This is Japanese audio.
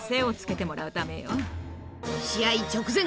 試合直前！